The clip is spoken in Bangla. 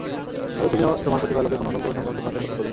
তবে তুমি তোমার প্রতিপালকের কোন অনুগ্রহ সম্পর্কে সন্দেহ পোষণ করবে?